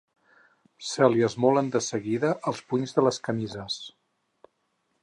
Se li esmolen de seguida els punys de les camises.